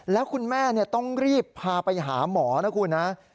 แล้วคุณแม่ต้องรีบพาไปหาหมอนะคุณนะ